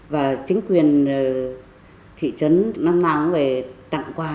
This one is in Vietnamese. và chính quyền thị trấn năm năm về tặng quà